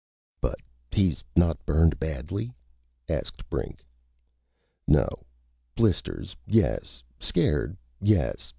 "But he's not burned badly?" asked Brink. "No. Blisters, yes. Scared, yes.